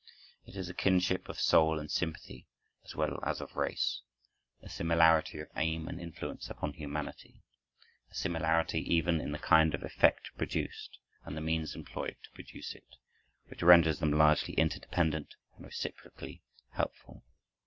It is a kinship of soul and sympathy, as well as of race—a similarity of aim and influence upon humanity; a similarity, even in the kind of effect produced, and the means employed to produce it, which renders them largely interdependent and reciprocally helpful.